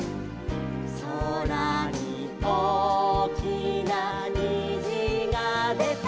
「そらにおおきなにじがでた」